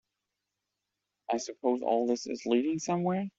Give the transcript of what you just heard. I suppose all this is leading somewhere?